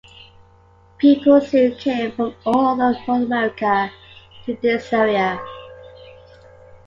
People soon came from all over North America to this area.